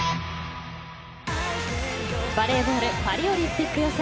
バレーボールパリオリンピック予選。